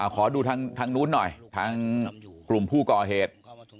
ขอดูทางนู้นหน่อยทางกลุ่มผู้ก่อเหตุ